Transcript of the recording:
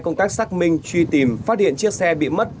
công tác xác minh truy tìm phát hiện chiếc xe bị mất